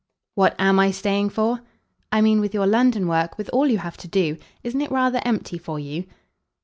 "What AM I staying for?" "I mean with your London work with all you have to do. Isn't it rather empty for you?"